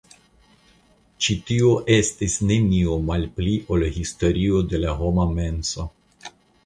Ĉi tio estis nenio malpli ol historio de la homa menso.